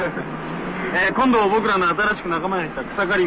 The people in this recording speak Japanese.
今度僕らの新しく仲間に来た草刈正雄くん。